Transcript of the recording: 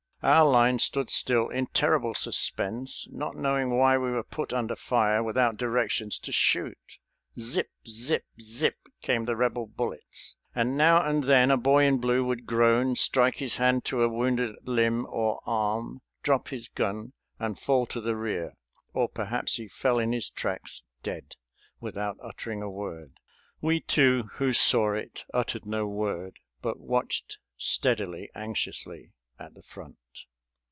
Our line stood still in terrible suspense, not knowing why we were put under fire without directions to shoot. Zip! zip! zip! came the Rebel bullets, and now and then a boy in blue would groan, strike his hand to a wounded limb or arm, drop his gun and fall to the rear; or perhaps he fell in his tracks dead, without uttering a word. We too, who saw it, uttered no word, but watched steadily, anxiously at the front.